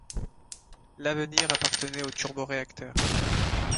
L’avenir appartenait au turboréacteur.